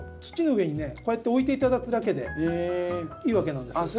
土の上にねこうやって置いて頂くだけでいいわけなんです。